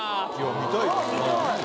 見たい！